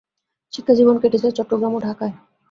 শিক্ষাজীবন কেটেছে চট্টগ্রাম ও ঢাকায়।